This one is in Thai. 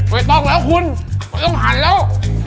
ไม่ต้องแล้วคุณมันจะผ่านแล้ว